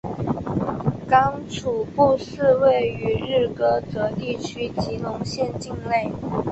刚楚布寺位于日喀则地区吉隆县境内。